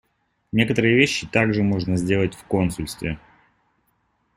Некоторые вещи также можно сделать в консульстве.